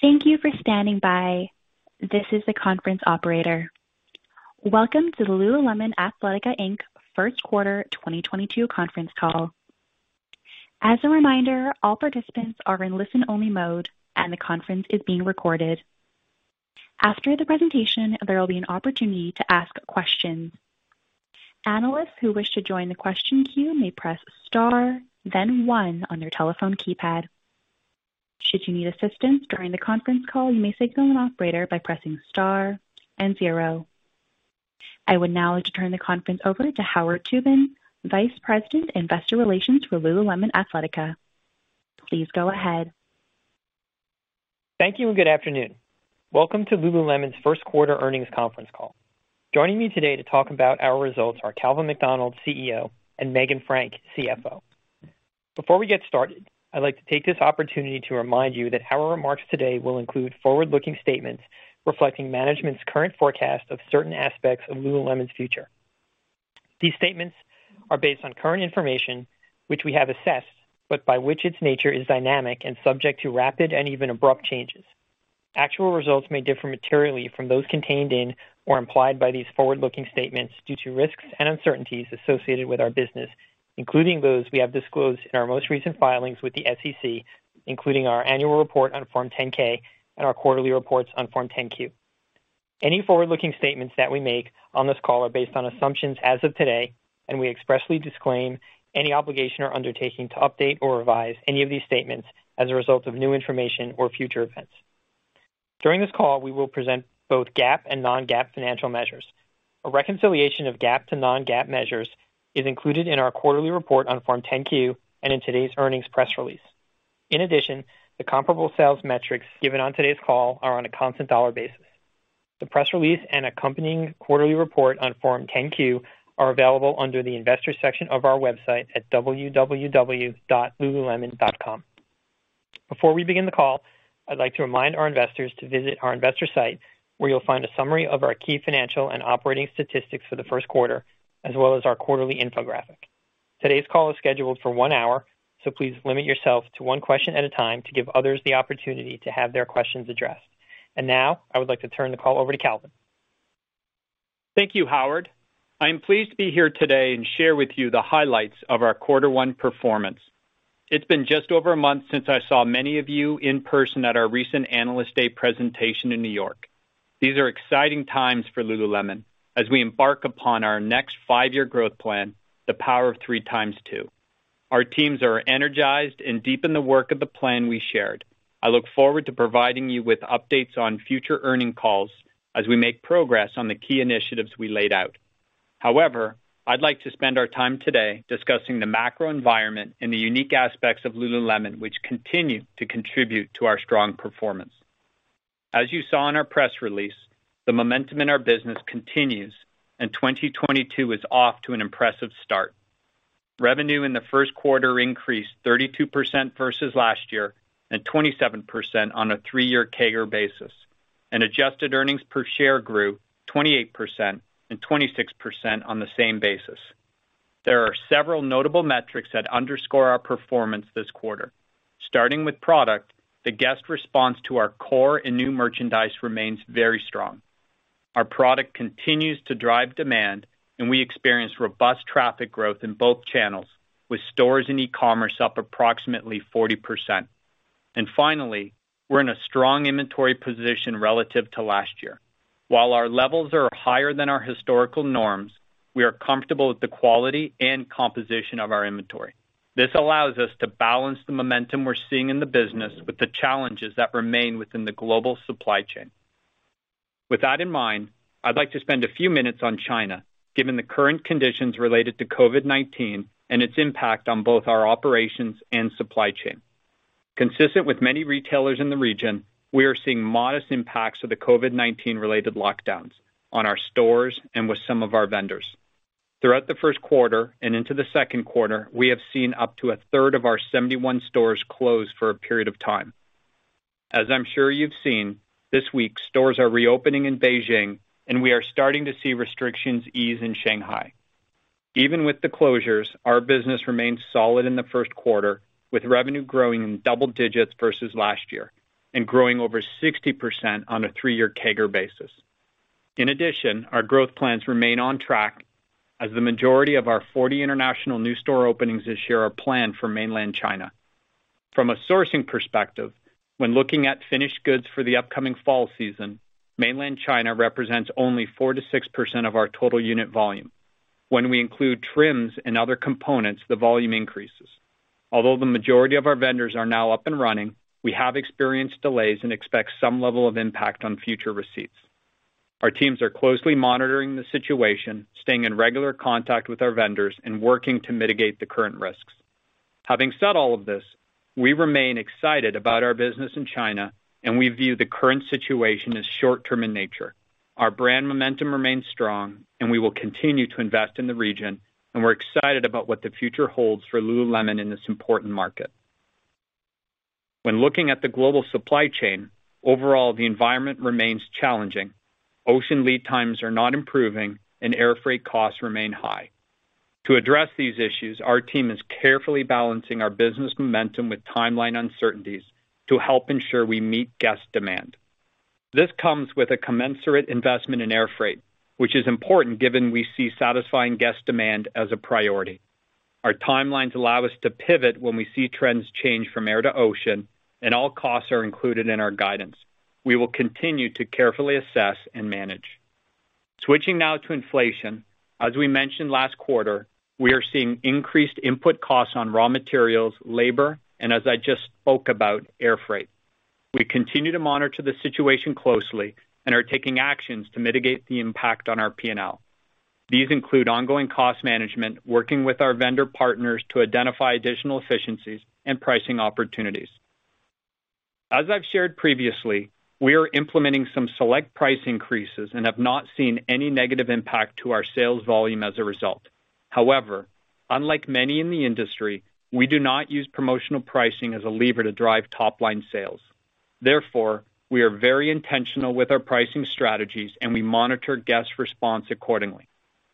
Thank you for standing by. This is the conference operator. Welcome to the Lululemon Athletica Inc. First Quarter 2022 conference call. As a reminder, all participants are in listen only mode, and the conference is being recorded. After the presentation, there will be an opportunity to ask questions. Analysts who wish to join the question queue may press Star then one on your telephone keypad. Should you need assistance during the conference call, you may signal an operator by pressing Star and zero. I would now like to turn the conference over to Howard Tubin, Vice President, Investor Relations for Lululemon Athletica. Please go ahead. Thank you and good afternoon. Welcome to Lululemon's first quarter earnings conference call. Joining me today to talk about our results are Calvin McDonald, CEO, and Meghan Frank, CFO. Before we get started, I'd like to take this opportunity to remind you that our remarks today will include forward-looking statements reflecting management's current forecast of certain aspects of Lululemon's future. These statements are based on current information which we have assessed, but by which its nature is dynamic and subject to rapid and even abrupt changes. Actual results may differ materially from those contained in or implied by these forward-looking statements due to risks and uncertainties associated with our business, including those we have disclosed in our most recent filings with the SEC, including our annual report on Form 10-K and our quarterly reports on Form 10-Q. Any forward-looking statements that we make on this call are based on assumptions as of today, and we expressly disclaim any obligation or undertaking to update or revise any of these statements as a result of new information or future events. During this call, we will present both GAAP and non-GAAP financial measures. A reconciliation of GAAP to non-GAAP measures is included in our quarterly report on Form 10-Q and in today's earnings press release. In addition, the comparable sales metrics given on today's call are on a constant dollar basis. The press release and accompanying quarterly report on Form 10-Q are available under the investor section of our website at www.lululemon.com. Before we begin the call, I'd like to remind our investors to visit our investor site, where you'll find a summary of our key financial and operating statistics for the first quarter, as well as our quarterly infographic. Today's call is scheduled for one hour, so please limit yourself to one question at a time to give others the opportunity to have their questions addressed. Now I would like to turn the call over to Calvin. Thank you, Howard. I am pleased to be here today and share with you the highlights of our quarter one performance. It's been just over a month since I saw many of you in person at our recent Analyst Day presentation in New York. These are exciting times for Lululemon as we embark upon our next five-year growth plan, the Power of Three x2. Our teams are energized and deep in the work of the plan we shared. I look forward to providing you with updates on future earnings calls as we make progress on the key initiatives we laid out. However, I'd like to spend our time today discussing the macro environment and the unique aspects of Lululemon, which continue to contribute to our strong performance. As you saw in our press release, the momentum in our business continues, and 2022 is off to an impressive start. Revenue in the first quarter increased 32% versus last year, and 27% on a three-year CAGR basis, and adjusted earnings per share grew 28% and 26% on the same basis. There are several notable metrics that underscore our performance this quarter. Starting with product, the guest response to our core and new merchandise remains very strong. Our product continues to drive demand, and we experience robust traffic growth in both channels, with stores and e-commerce up approximately 40%. Finally, we're in a strong inventory position relative to last year. While our levels are higher than our historical norms, we are comfortable with the quality and composition of our inventory. This allows us to balance the momentum we're seeing in the business with the challenges that remain within the global supply chain. With that in mind, I'd like to spend a few minutes on China, given the current conditions related to COVID-19 and its impact on both our operations and supply chain. Consistent with many retailers in the region, we are seeing modest impacts of the COVID-19 related lockdowns on our stores and with some of our vendors. Throughout the first quarter and into the second quarter, we have seen up to 1/3 of our 71 stores close for a period of time. As I'm sure you've seen, this week stores are reopening in Beijing, and we are starting to see restrictions ease in Shanghai. Even with the closures, our business remains solid in the first quarter, with revenue growing in double digits versus last year and growing over 60% on a three-year CAGR basis. In addition, our growth plans remain on track as the majority of our 40 international new store openings this year are planned for mainland China. From a sourcing perspective, when looking at finished goods for the upcoming fall season, mainland China represents only 4%-6% of our total unit volume. When we include trims and other components, the volume increases. Although the majority of our vendors are now up and running, we have experienced delays and expect some level of impact on future receipts. Our teams are closely monitoring the situation, staying in regular contact with our vendors and working to mitigate the current risks. Having said all of this, we remain excited about our business in China, and we view the current situation as short term in nature. Our brand momentum remains strong, and we will continue to invest in the region, and we're excited about what the future holds for Lululemon in this important market. When looking at the global supply chain, overall, the environment remains challenging. Ocean lead times are not improving and air freight costs remain high. To address these issues, our team is carefully balancing our business momentum with timeline uncertainties to help ensure we meet guest demand. This comes with a commensurate investment in air freight, which is important given we see satisfying guest demand as a priority. Our timelines allow us to pivot when we see trends change from air to ocean, and all costs are included in our guidance. We will continue to carefully assess and manage. Switching now to inflation. As we mentioned last quarter, we are seeing increased input costs on raw materials, labor, and as I just spoke about, air freight. We continue to monitor the situation closely and are taking actions to mitigate the impact on our P&L. These include ongoing cost management, working with our vendor partners to identify additional efficiencies and pricing opportunities. As I've shared previously, we are implementing some select price increases and have not seen any negative impact to our sales volume as a result. However, unlike many in the industry, we do not use promotional pricing as a lever to drive top-line sales. Therefore, we are very intentional with our pricing strategies and we monitor guest response accordingly.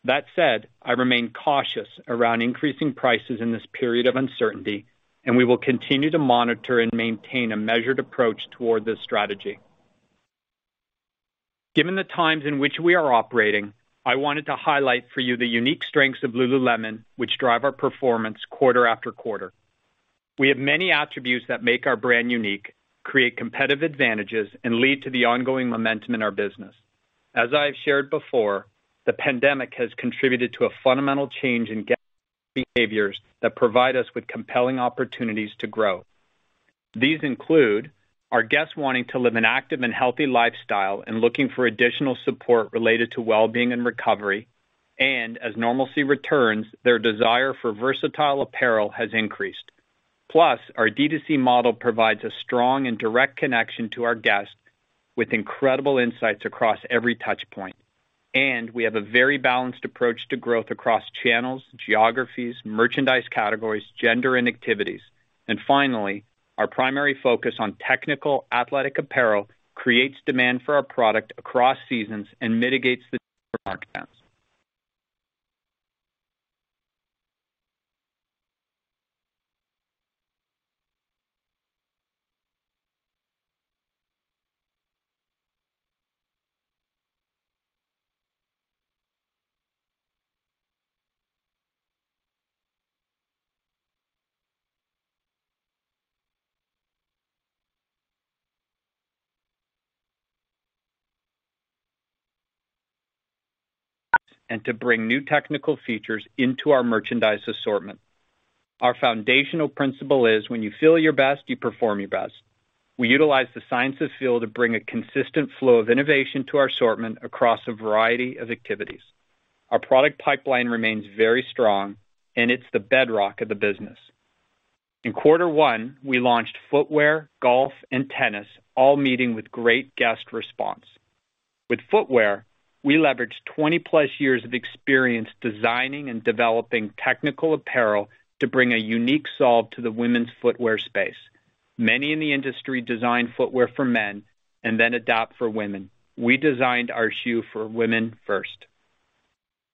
That said, I remain cautious around increasing prices in this period of uncertainty, and we will continue to monitor and maintain a measured approach toward this strategy. Given the times in which we are operating, I wanted to highlight for you the unique strengths of Lululemon, which drive our performance quarter after quarter. We have many attributes that make our brand unique, create competitive advantages, and lead to the ongoing momentum in our business. As I have shared before, the pandemic has contributed to a fundamental change in guest behaviors that provide us with compelling opportunities to grow. These include our guests wanting to live an active and healthy lifestyle and looking for additional support related to wellbeing and recovery, and as normalcy returns, their desire for versatile apparel has increased. Plus, our D2C model provides a strong and direct connection to our guests with incredible insights across every touch point, and we have a very balanced approach to growth across channels, geographies, merchandise categories, gender, and activities. Finally, our primary focus on technical athletic apparel creates demand for our product across seasons and mitigates the need to bring new technical features into our merchandise assortment. Our foundational principle is when you feel your best, you perform your best. We utilize the science of feel to bring a consistent flow of innovation to our assortment across a variety of activities. Our product pipeline remains very strong, and it's the bedrock of the business. In quarter one, we launched footwear, golf, and tennis, all meeting with great guest response. With footwear, we leveraged 20+ years of experience designing and developing technical apparel to bring a unique solve to the women's footwear space. Many in the industry design footwear for men and then adapt for women. We designed our shoe for women first.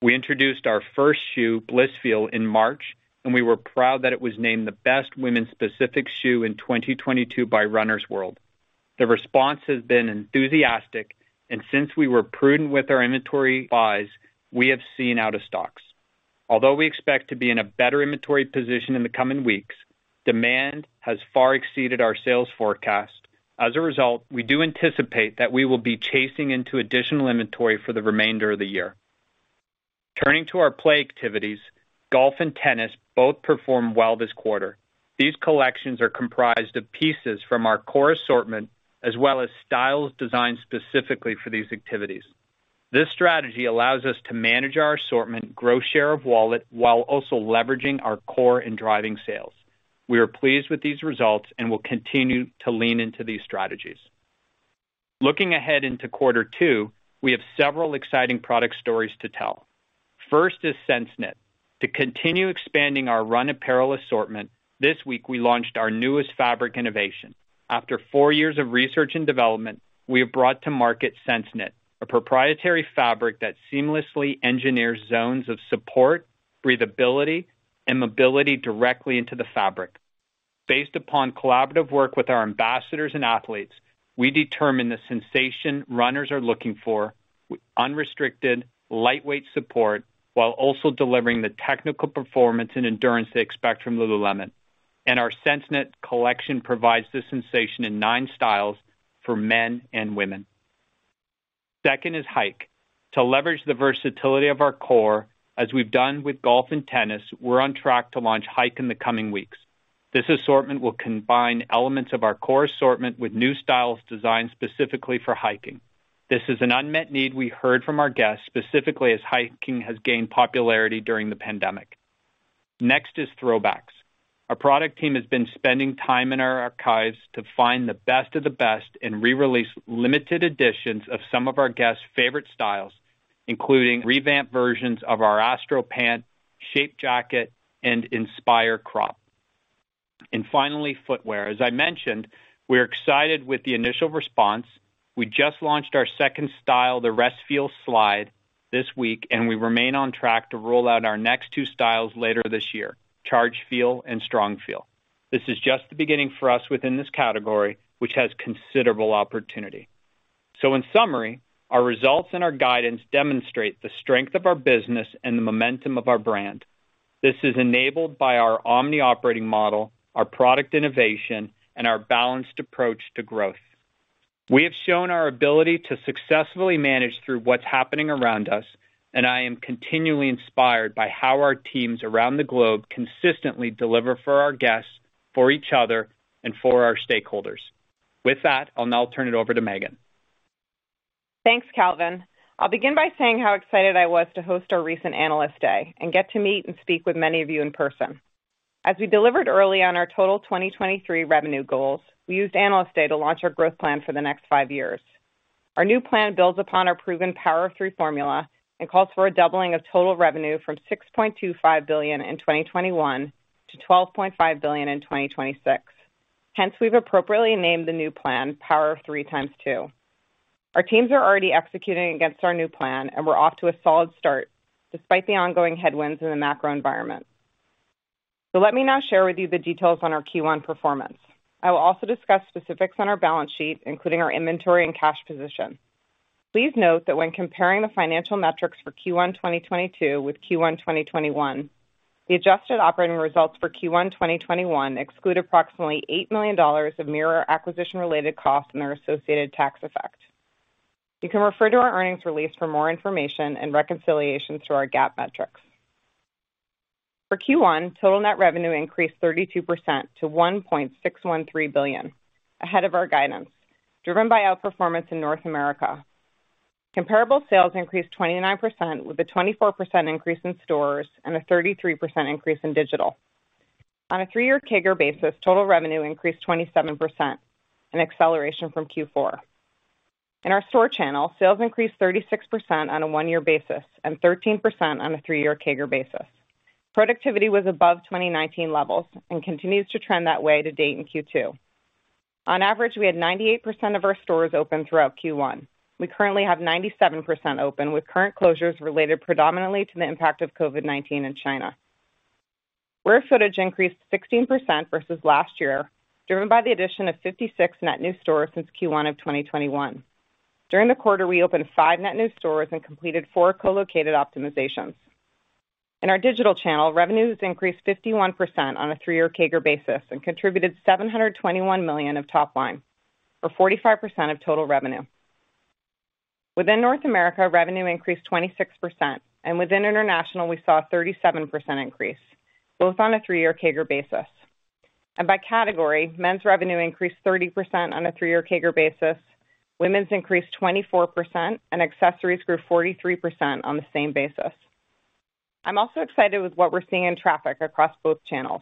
We introduced our first shoe, Blissfeel, in March, and we were proud that it was named the best women's specific shoe in 2022 by Runner's World. The response has been enthusiastic and since we were prudent with our inventory buys, we have seen out of stocks. Although we expect to be in a better inventory position in the coming weeks, demand has far exceeded our sales forecast. As a result, we do anticipate that we will be chasing into additional inventory for the remainder of the year. Turning to our play activities, golf and tennis both performed well this quarter. These collections are comprised of pieces from our core assortment as well as styles designed specifically for these activities. This strategy allows us to manage our assortment, grow share of wallet while also leveraging our core and driving sales. We are pleased with these results and will continue to lean into these strategies. Looking ahead into quarter two, we have several exciting product stories to tell. First is SenseKnit. To continue expanding our running apparel assortment, this week we launched our newest fabric innovation. After four years of research and development, we have brought to market SenseKnit, a proprietary fabric that seamlessly engineers zones of support, breathability, and mobility directly into the fabric. Based upon collaborative work with our ambassadors and athletes, we determine the sensation runners are looking for with unrestricted, lightweight support while also delivering the technical performance and endurance they expect from Lululemon. Our SenseKnit collection provides this sensation in nine styles for men and women. Second is Hike. To leverage the versatility of our core, as we've done with golf and tennis, we're on track to launch Hike in the coming weeks. This assortment will combine elements of our core assortment with new styles designed specifically for hiking. This is an unmet need we heard from our guests, specifically as hiking has gained popularity during the pandemic. Next is Throwbacks. Our product team has been spending time in our archives to find the best of the best and re-release limited editions of some of our guests' favorite styles, including revamped versions of our Astro Pant, Shape Jacket, and Inspire Crop. Finally, footwear. As I mentioned, we're excited with the initial response. We just launched our second style, the Restfeel Slide this week, and we remain on track to roll out our next two styles later this year, Chargefeel and Strongfeel. This is just the beginning for us within this category, which has considerable opportunity. In summary, our results and our guidance demonstrate the strength of our business and the momentum of our brand. This is enabled by our omni operating model, our product innovation, and our balanced approach to growth. We have shown our ability to successfully manage through what's happening around us, and I am continually inspired by how our teams around the globe consistently deliver for our guests, for each other, and for our stakeholders. With that, I'll now turn it over to Meghan. Thanks, Calvin. I'll begin by saying how excited I was to host our recent Analyst Day and get to meet and speak with many of you in person. As we delivered early on our total 2023 revenue goals, we used Analyst Day to launch our growth plan for the next five years. Our new plan builds upon our proven Power of Three formula and calls for a doubling of total revenue from $6.25 billion in 2021 to $12.5 billion in 2026. Hence, we've appropriately named the new plan Power of Three x2. Our teams are already executing against our new plan, and we're off to a solid start, despite the ongoing headwinds in the macro environment. Let me now share with you the details on our Q1 performance. I will also discuss specifics on our balance sheet, including our inventory and cash position. Please note that when comparing the financial metrics for Q1 2022 with Q1 2021, the adjusted operating results for Q1 2021 exclude approximately $8 million of Mirror acquisition-related costs and their associated tax effect. You can refer to our earnings release for more information and reconciliations to our GAAP metrics. For Q1, total net revenue increased 32% to $1.613 billion, ahead of our guidance, driven by outperformance in North America. Comparable sales increased 29%, with a 24% increase in stores and a 33% increase in digital. On a three-year CAGR basis, total revenue increased 27%, an acceleration from Q4. In our store channel, sales increased 36% on a one-year basis and 13% on a three-year CAGR basis. Productivity was above 2019 levels and continues to trend that way to date in Q2. On average, we had 98% of our stores open throughout Q1. We currently have 97% open, with current closures related predominantly to the impact of COVID-19 in China. Square footage increased 16% versus last year, driven by the addition of 56 net new stores since Q1 of 2021. During the quarter, we opened five net new stores and completed four co-located optimizations. In our digital channel, revenues increased 51% on a three-year CAGR basis and contributed $721 million of top line, or 45% of total revenue. Within North America, revenue increased 26%, and within international, we saw a 37% increase, both on a three-year CAGR basis. By category, men's revenue increased 30% on a three-year CAGR basis, women's increased 24%, and accessories grew 43% on the same basis. I'm also excited with what we're seeing in traffic across both channels.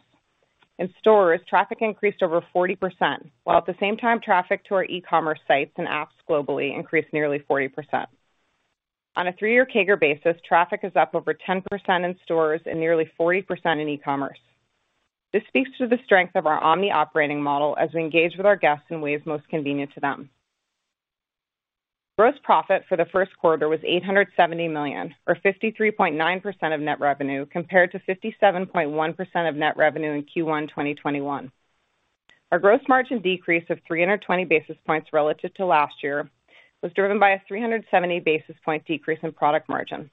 In stores, traffic increased over 40%, while at the same time, traffic to our e-commerce sites and apps globally increased nearly 40%. On a three-year CAGR basis, traffic is up over 10% in stores and nearly 40% in e-commerce. This speaks to the strength of our omni operating model as we engage with our guests in ways most convenient to them. Gross profit for the first quarter was $870 million, or 53.9% of net revenue, compared to 57.1% of net revenue in Q1 2021. Our gross margin decrease of 320 basis points relative to last year was driven by a 370 basis point decrease in product margin.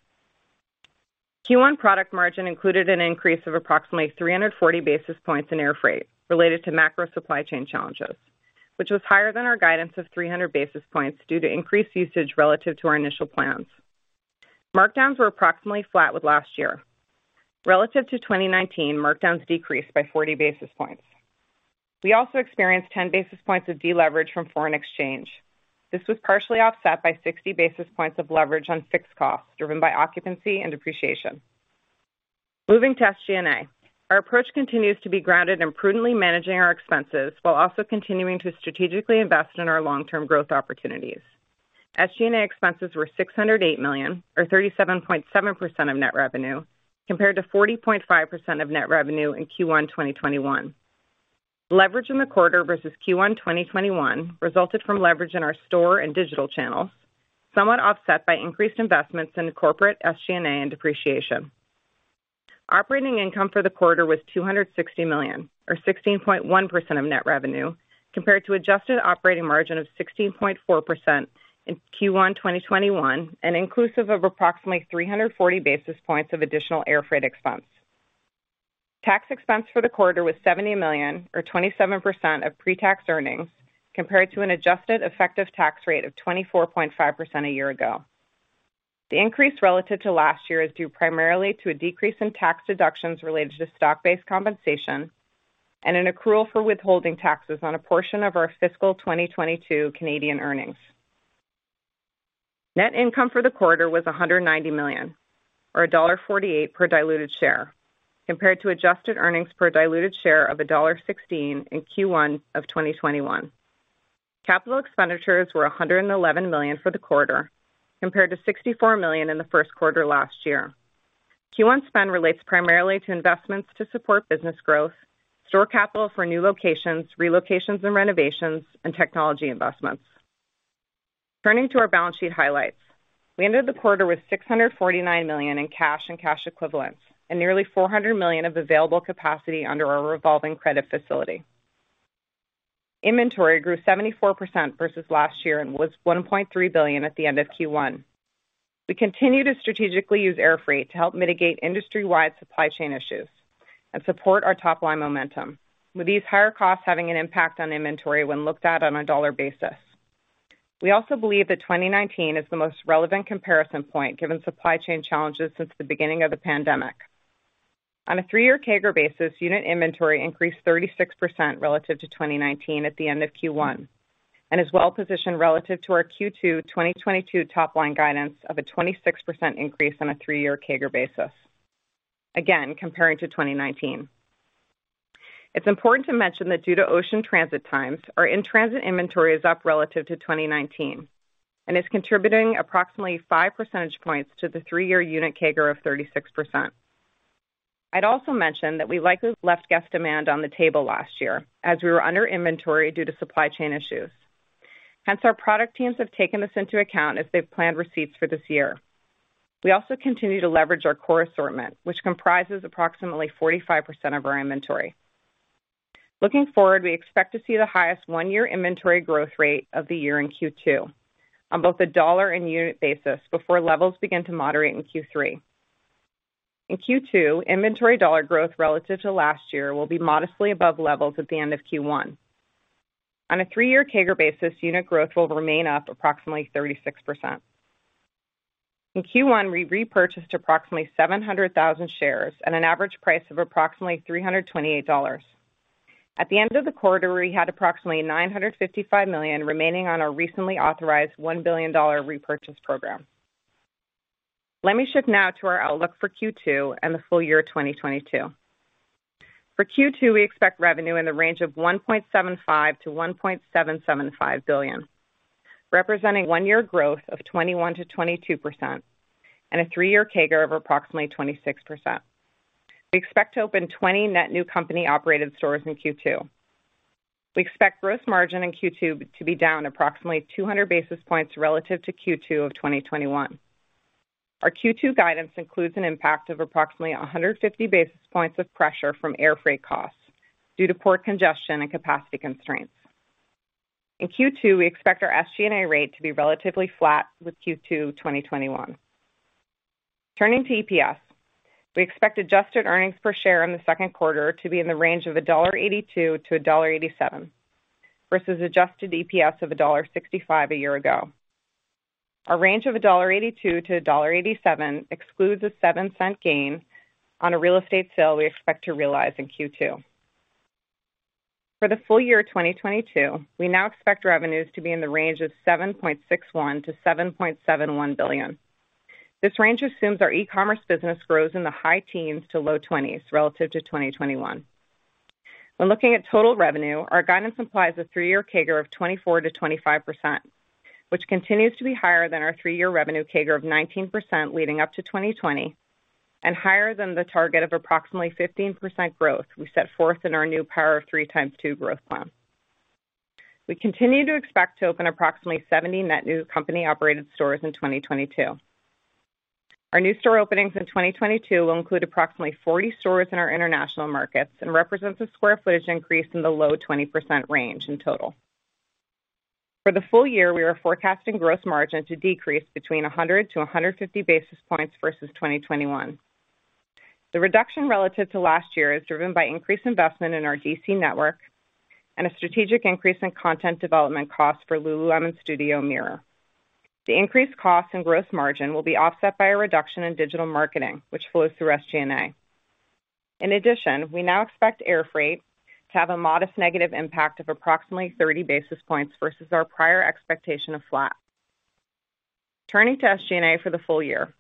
Q1 product margin included an increase of approximately 340 basis points in air freight related to macro supply chain challenges, which was higher than our guidance of 300 basis points due to increased usage relative to our initial plans. Markdowns were approximately flat with last year. Relative to 2019, markdowns decreased by 40 basis points. We also experienced 10 basis points of deleverage from foreign exchange. This was partially offset by 60 basis points of leverage on fixed costs driven by occupancy and depreciation. Moving to SG&A. Our approach continues to be grounded in prudently managing our expenses while also continuing to strategically invest in our long-term growth opportunities. SG&A expenses were $608 million or 37.7% of net revenue, compared to 40.5% of net revenue in Q1 2021. Leverage in the quarter versus Q1 2021 resulted from leverage in our store and digital channels, somewhat offset by increased investments in corporate SG&A and depreciation. Operating income for the quarter was $260 million or 16.1% of net revenue, compared to adjusted operating margin of 16.4% in Q1 2021 and inclusive of approximately 340 basis points of additional air freight expense. Tax expense for the quarter was $70 million or 27% of pre-tax earnings compared to an adjusted effective tax rate of 24.5% a year ago. The increase relative to last year is due primarily to a decrease in tax deductions related to stock-based compensation and an accrual for withholding taxes on a portion of our fiscal 2022 Canadian earnings. Net income for the quarter was $190 million or $1.48 per diluted share compared to adjusted earnings per diluted share of $1.16 in Q1 of 2021. Capital expenditures were $111 million for the quarter, compared to $64 million in the first quarter last year. Q1 spend relates primarily to investments to support business growth, store capital for new locations, relocations and renovations, and technology investments. Turning to our balance sheet highlights. We ended the quarter with $649 million in cash and cash equivalents, and nearly $400 million of available capacity under our revolving credit facility. Inventory grew 74% versus last year and was $1.3 billion at the end of Q1. We continue to strategically use air freight to help mitigate industry-wide supply chain issues and support our top line momentum. With these higher costs having an impact on inventory when looked at on a dollar basis. We also believe that 2019 is the most relevant comparison point given supply chain challenges since the beginning of the pandemic. On a three-year CAGR basis, unit inventory increased 36% relative to 2019 at the end of Q1, and is well positioned relative to our Q2 2022 top line guidance of a 26% increase on a three year CAGR basis. Again, comparing to 2019. It's important to mention that due to ocean transit times, our in-transit inventory is up relative to 2019 and is contributing approximately five percentage points to the three-year unit CAGR of 36%. I'd also mention that we likely left guest demand on the table last year as we were under inventory due to supply chain issues. Hence, our product teams have taken this into account as they've planned receipts for this year. We also continue to leverage our core assortment, which comprises approximately 45% of our inventory. Looking forward, we expect to see the highest one-year inventory growth rate of the year in Q2 on both a dollar and unit basis before levels begin to moderate in Q3. In Q2, inventory dollar growth relative to last year will be modestly above levels at the end of Q1. On a three-year CAGR basis, unit growth will remain up approximately 36%. In Q1, we repurchased approximately 700,000 shares at an average price of approximately $328. At the end of the quarter, we had approximately $955 million remaining on our recently authorized $1 billion repurchase program. Let me shift now to our outlook for Q2 and the full year 2022. For Q2, we expect revenue in the range of $1.75 billion-$1.775 billion, representing one-year growth of 21%-22% and a three-year CAGR of approximately 26%. We expect to open 20 net new company-operated stores in Q2. We expect gross margin in Q2 to be down approximately 200 basis points relative to Q2 of 2021. Our Q2 guidance includes an impact of approximately 150 basis points of pressure from air freight costs due to port congestion and capacity constraints. In Q2, we expect our SG&A rate to be relatively flat with Q2 2021. Turning to EPS, we expect adjusted earnings per share in the second quarter to be in the range of $1.82-$1.87 versus adjusted EPS of $1.65 a year ago. Our range of $1.82-$1.87 excludes a $0.07 gain on a real estate sale we expect to realize in Q2. For the full year 2022, we now expect revenues to be in the range of $7.61 billion-$7.71 billion. This range assumes our e-commerce business grows in the high teens ``to low 20s relative to 2021. When looking at total revenue, our guidance implies a three-year CAGR of 24%-25%, which continues to be higher than our three-year revenue CAGR of 19% leading up to 2020, and higher than the target of approximately 15% growth we set forth in our new Power of Three x2 growth plan. We continue to expect to open approximately 70 net new company operated stores in 2022. Our new store openings in 2022 will include approximately 40 stores in our international markets and represents a square footage increase in the low 20% range in total. For the full year, we are forecasting gross margin to decrease between 100-150 basis points versus 2021. The reduction relative to last year is driven by increased investment in our DC network and a strategic increase in content development costs for Lululemon Studio Mirror. The increased costs and gross margin will be offset by a reduction in digital marketing, which flows through SG&A. In addition, we now expect air freight to have a modest negative impact of approximately 30 basis points versus our prior expectation of flat. Turning to SG&A for the full year,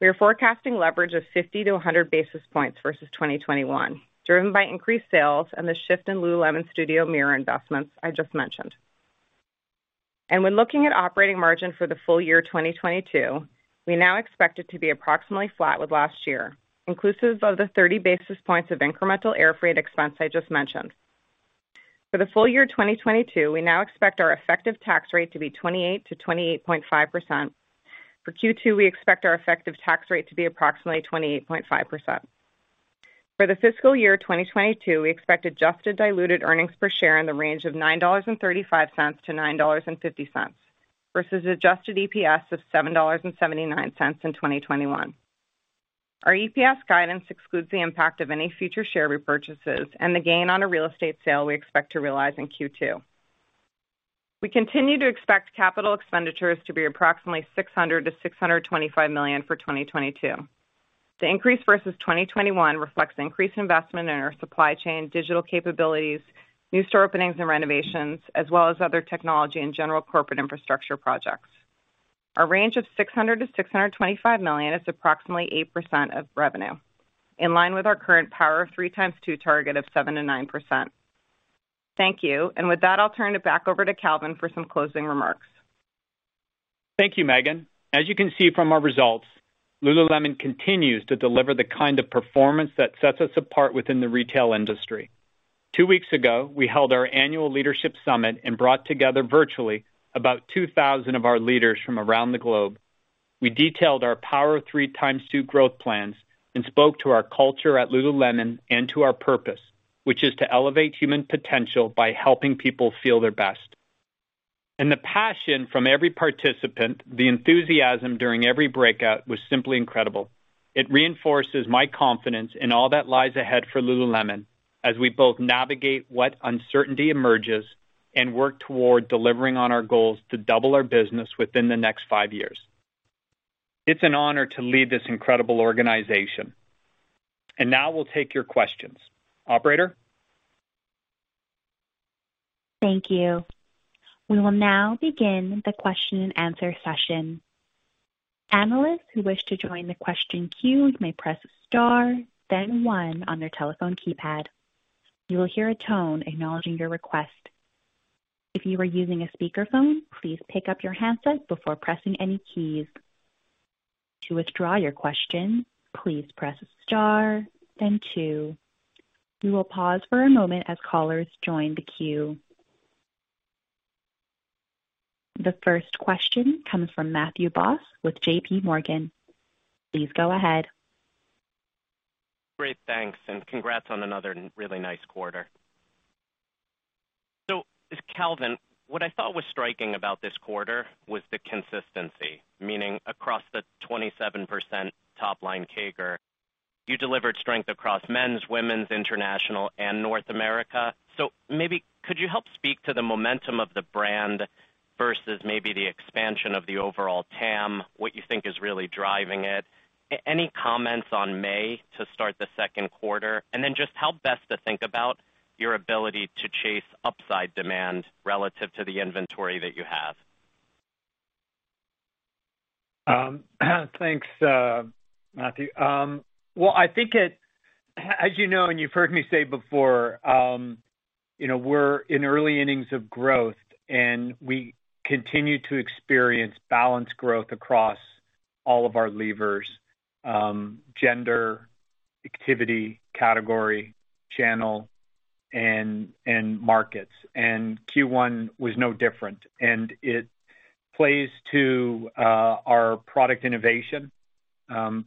we are forecasting leverage of 50-100 basis points versus 2021, driven by increased sales and the shift in Lululemon Studio Mirror investments I just mentioned. When looking at operating margin for the full year 2022, we now expect it to be approximately flat with last year, inclusive of the 30 basis points of incremental air freight expense I just mentioned. For the full year 2022, we now expect our effective tax rate to be 28%-28.5%. For Q2, we expect our effective tax rate to be approximately 28.5%. For the fiscal year 2022, we expect adjusted diluted earnings per share in the range of $9.35-$9.50, versus adjusted EPS of $7.79 in 2021. Our EPS guidance excludes the impact of any future share repurchases and the gain on a real estate sale we expect to realize in Q2. We continue to expect capital expenditures to be approximately $600 million-$625 million for 2022. The increase versus 2021 reflects increased investment in our supply chain, digital capabilities, new store openings and renovations, as well as other technology and general corporate infrastructure projects. Our range of $600 million-$625 million is approximately 8% of revenue, in line with our current Power of Three x2 target of 7%-9%. Thank you. With that, I'll turn it back over to Calvin for some closing remarks. Thank you, Meghan. As you can see from our results, Lululemon continues to deliver the kind of performance that sets us apart within the retail industry. Two weeks ago, we held our annual leadership summit and brought together virtually about 2,000 of our leaders from around the globe. We detailed our Power of Three x2 growth plans and spoke to our culture at Lululemon and to our purpose, which is to elevate human potential by helping people feel their best. The passion from every participant, the enthusiasm during every breakout was simply incredible. It reinforces my confidence in all that lies ahead for Lululemon as we both navigate what uncertainty emerges and work toward delivering on our goals to double our business within the next five years. It's an honor to lead this incredible organization. Now we'll take your questions. Operator? Thank you. We will now begin the question-and-answer session. Analysts who wish to join the question queue may press star then one on their telephone keypad. You will hear a tone acknowledging your request. If you are using a speakerphone, please pick up your handset before pressing any keys. To withdraw your question, please press star then two. We will pause for a moment as callers join the queue. The first question comes from Matthew Boss with JPMorgan. Please go ahead. Great, thanks, and congrats on another really nice quarter. Calvin, what I thought was striking about this quarter was the consistency, meaning across the 27% top line CAGR, you delivered strength across men's, women's, international, and North America. Maybe could you help speak to the momentum of the brand versus maybe the expansion of the overall TAM, what you think is really driving it? Any comments on May to start the second quarter? Then just how best to think about your ability to chase upside demand relative to the inventory that you have. Thanks, Matthew. Well, I think as you know, and you've heard me say before, you know, we're in early innings of growth, and we continue to experience balanced growth across all of our levers, gender, activity, category, channel, and markets. Q1 was no different. It plays to our product innovation,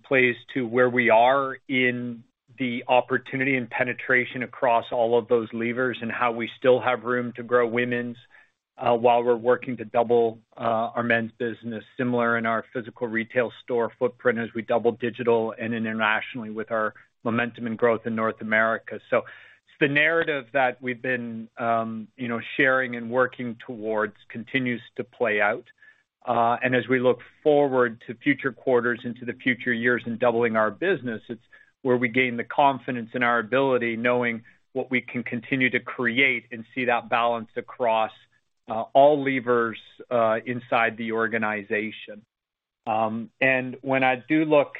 plays to where we are in the opportunity and penetration across all of those levers and how we still have room to grow women's, while we're working to double our men's business, similar in our physical retail store footprint as we double digital and internationally with our momentum and growth in North America. It's the narrative that we've been, you know, sharing and working towards continues to play out. As we look forward to future quarters into the future years in doubling our business, it's where we gain the confidence in our ability knowing what we can continue to create and see that balance across all levers inside the organization. When I do look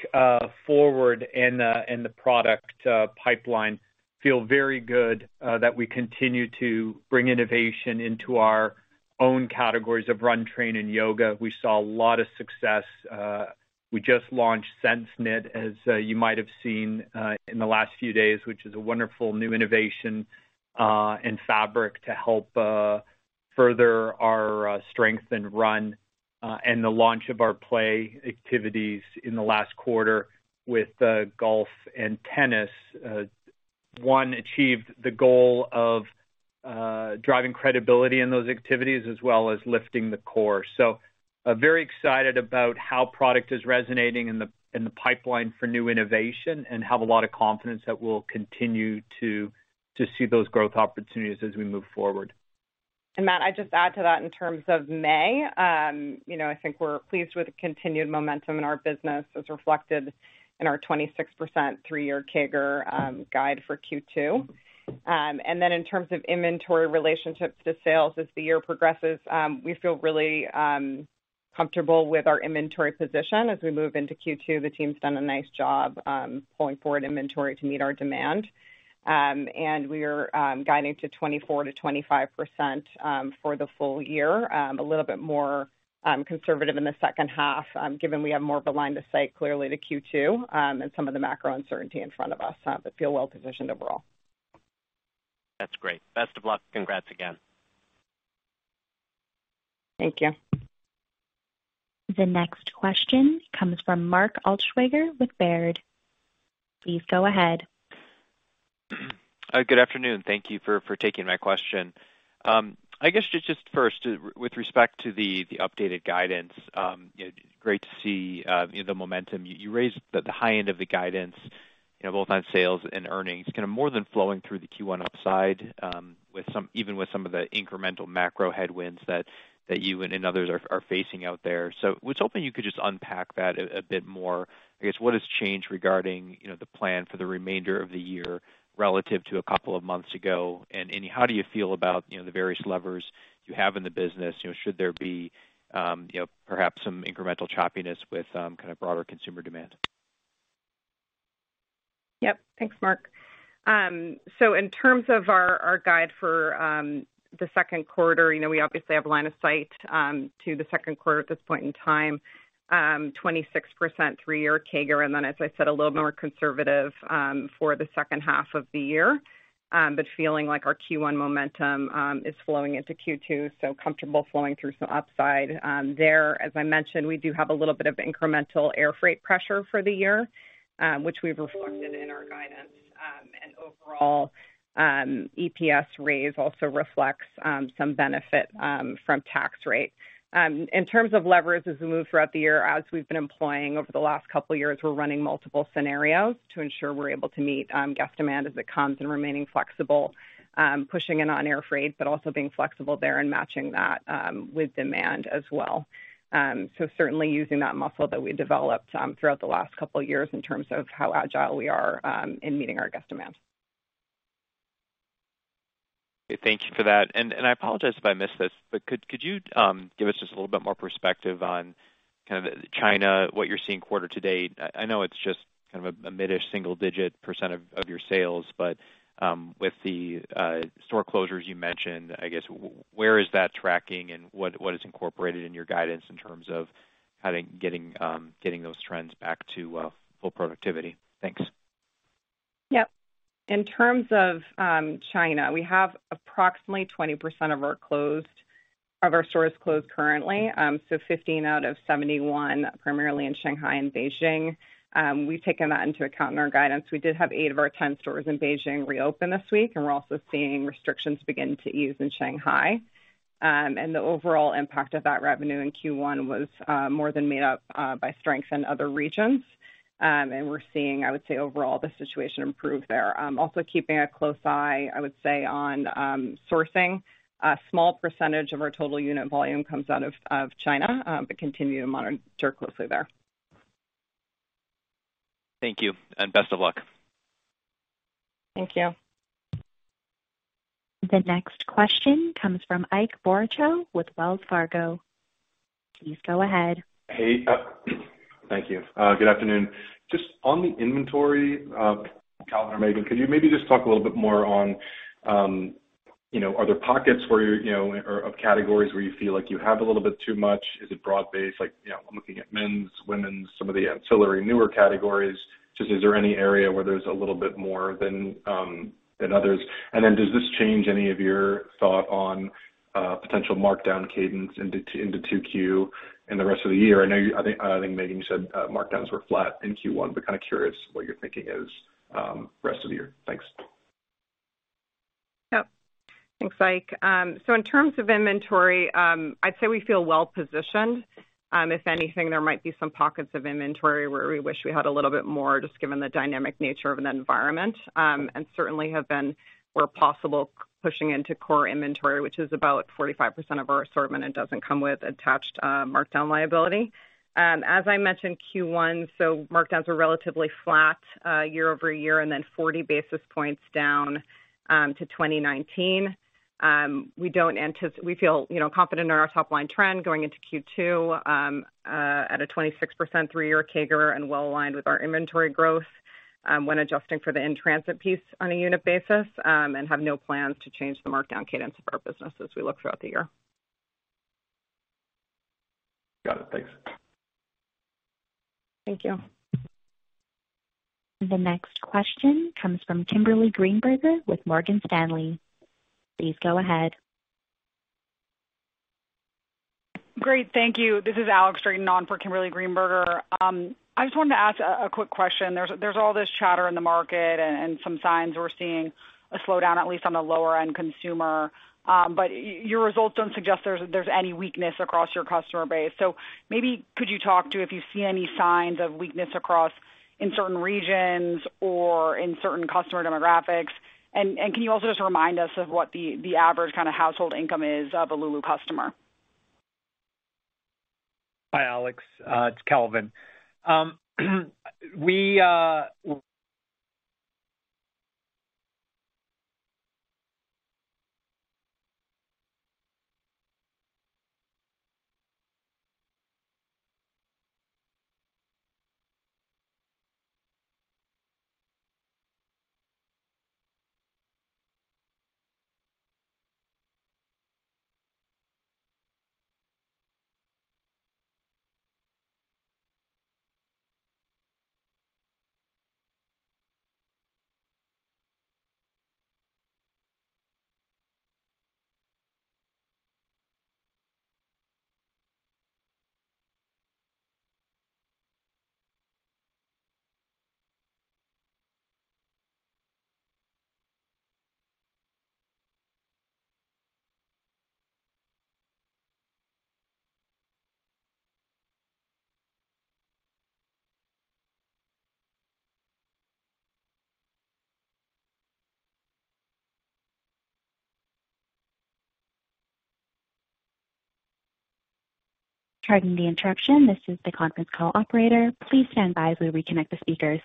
forward in the product pipeline, feel very good that we continue to bring innovation into our own categories of run, train, and yoga. We saw a lot of success. We just launched SenseKnit, as you might have seen in the last few days, which is a wonderful new innovation and fabric to help further our strength and run, and the launch of our play activities in the last quarter with golf and tennis. One achieved the goal of driving credibility in those activities as well as lifting the core. Very excited about how product is resonating in the pipeline for new innovation and have a lot of confidence that we'll continue to see those growth opportunities as we move forward. Matt, I'd just add to that in terms of May. You know, I think we're pleased with the continued momentum in our business as reflected in our 26% three-year CAGR guide for Q2. Then in terms of inventory relationships to sales as the year progresses, we feel really comfortable with our inventory position. As we move into Q2, the team's done a nice job pulling forward inventory to meet our demand. We're guiding to 24%-25% for the full year, a little bit more conservative in the second half, given we have more of a line of sight clearly to Q2 and some of the macro uncertainty in front of us, but feel well positioned overall. That's great. Best of luck. Congrats again. Thank you. The next question comes from Mark Altschwager with Baird. Please go ahead. Good afternoon. Thank you for taking my question. I guess just first, with respect to the updated guidance, you know, great to see, you know, the momentum. You raised the high end of the guidance, you know, both on sales and earnings, kinda more than flowing through the Q1 upside, even with some of the incremental macro headwinds that you and others are facing out there. I was hoping you could just unpack that a bit more. I guess, what has changed regarding, you know, the plan for the remainder of the year relative to a couple of months ago? How do you feel about, you know, the various levers you have in the business? You know, should there be, you know, perhaps some incremental choppiness with, kinda broader consumer demand? Yep. Thanks, Mark. In terms of our guide for the second quarter, you know, we obviously have line of sight to the second quarter at this point in time, 26% three-year CAGR. As I said, a little more conservative for the second half of the year. Feeling like our Q1 momentum is flowing into Q2, comfortable flowing through some upside there. As I mentioned, we do have a little bit of incremental air freight pressure for the year, which we've reflected in our guidance. Overall, EPS raise also reflects some benefit from tax rate. In terms of levers as we move throughout the year, as we've been employing over the last couple years, we're running multiple scenarios to ensure we're able to meet guest demand as it comes and remaining flexible, pushing in on air freight, but also being flexible there and matching that with demand as well. Certainly using that muscle that we developed throughout the last couple of years in terms of how agile we are in meeting our guest demands. Thank you for that. I apologize if I missed this, but could you give us just a little bit more perspective on kind of China, what you're seeing quarter to date? I know it's just kind of a mid-ish single-digit percentage of your sales, but with the store closures you mentioned, I guess where is that tracking and what is incorporated in your guidance in terms of having getting those trends back to full productivity? Thanks. Yep. In terms of China, we have approximately 20% of our stores closed currently. 15 out of 71, primarily in Shanghai and Beijing. We've taken that into account in our guidance. We did have eight of our 10 stores in Beijing reopen this week, and we're also seeing restrictions begin to ease in Shanghai. The overall impact of that revenue in Q1 was more than made up by strengths in other regions. We're seeing, I would say overall, the situation improve there. Also keeping a close eye, I would say, on sourcing. A small percentage of our total unit volume comes out of China, but continue to monitor closely there. Thank you, and best of luck. Thank you. The next question comes from Ike Boruchow with Wells Fargo. Please go ahead. Hey. Thank you. Good afternoon. Just on the inventory, Calvin or Meghan, could you maybe just talk a little bit more on, you know, are there pockets where you're, you know, or of categories where you feel like you have a little bit too much? Is it broad based? Like, you know, I'm looking at men's, women's, some of the ancillary newer categories. Just is there any area where there's a little bit more than others? And then does this change any of your thought on potential markdown cadence into 2Q and the rest of the year? I know you. I think, Meghan, you said markdowns were flat in Q1, but kinda curious what your thinking is, rest of the year. Thanks. Yep. Thanks, Ike. So in terms of inventory, I'd say we feel well positioned. If anything, there might be some pockets of inventory where we wish we had a little bit more just given the dynamic nature of an environment, and certainly have been where possible pushing into core inventory, which is about 45% of our assortment and doesn't come with attached markdown liability. As I mentioned, Q1, so markdowns were relatively flat year-over-year, and then 40 basis points down to 2019. We feel, you know, confident in our top line trend going into Q2, at a 26% three-year CAGR and well aligned with our inventory growth, when adjusting for the in-transit piece on a unit basis, and have no plans to change the markdown cadence of our business as we look throughout the year. Got it. Thanks. Thank you. The next question comes from Kimberly Greenberger with Morgan Stanley. Please go ahead. Great. Thank you. This is Alex Straton on for Kimberly Greenberger. I just wanted to ask a quick question. There's all this chatter in the market and some signs we're seeing a slowdown, at least on the lower end consumer. But your results don't suggest there's any weakness across your customer base. So maybe could you talk to if you see any signs of weakness across in certain regions or in certain customer demographics? And can you also just remind us of what the average kinda household income is of a Lulu customer? Hi, Alex. It's Calvin. We, Pardon the interruption. This is the conference call operator. Please stand by as we reconnect the speakers.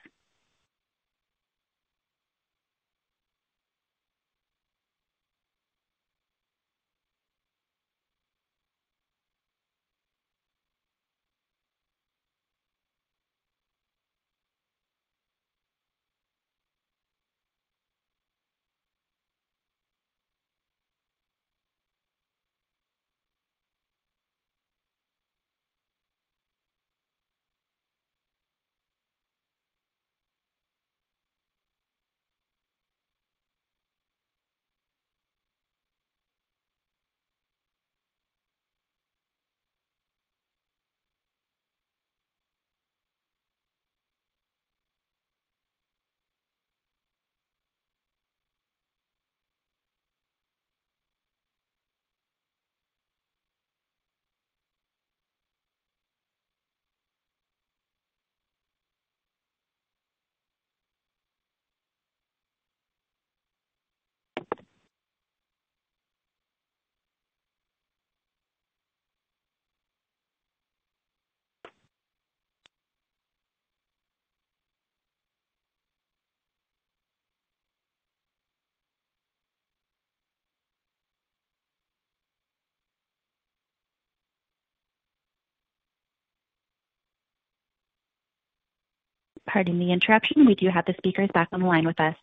Pardon the interruption. We do have the speakers back on the line with us.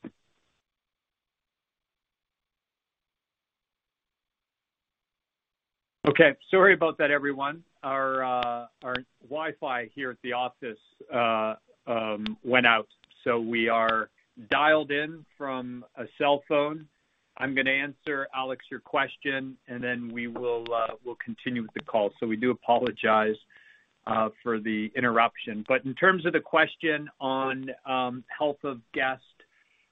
Okay. Sorry about that everyone. Our Wi-Fi here at the office went out, so we are dialed in from a cell phone. I'm gonna answer, Alex, your question, and then we'll continue with the call. We do apologize for the interruption. In terms of the question on health of guest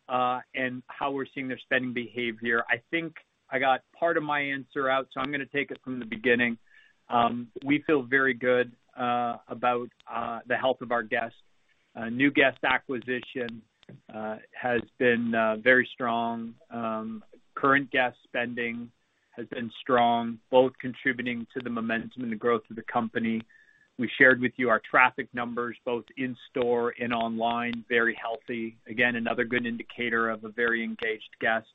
and how we're seeing their spending behavior, I think I got part of my answer out, so I'm gonna take it from the beginning. We feel very good about the health of our guests. New guest acquisition has been very strong. Current guest spending has been strong, both contributing to the momentum and the growth of the company. We shared with you our traffic numbers both in store and online, very healthy. Again, another good indicator of a very engaged guest.